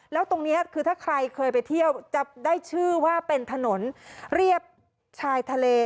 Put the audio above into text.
แล้วตรงนี้คือถ้าใครเคยไปเที่ยวจะได้ชื่อว่าเป็นถนนเรียบชายทะเล